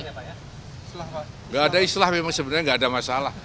tidak ada islah memang sebenarnya tidak ada masalah